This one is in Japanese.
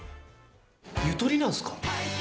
ゆとりなんすか？